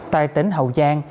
tại tỉnh hậu giang